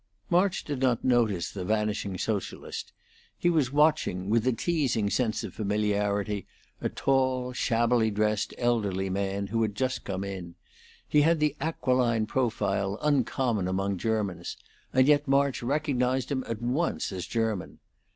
March did not notice the vanishing Socialist. He was watching, with a teasing sense of familiarity, a tall, shabbily dressed, elderly man, who had just come in. He had the aquiline profile uncommon among Germans, and yet March recognized him at once as German.